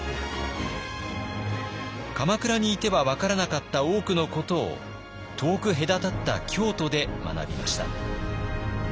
鎌倉にいては分からなかった多くのことを遠く隔たった京都で学びました。